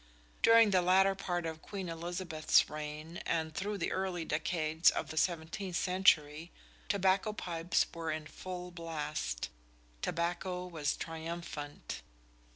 During the latter part of Queen Elizabeth's reign and through the early decades of the seventeenth century tobacco pipes were in full blast. Tobacco was triumphant.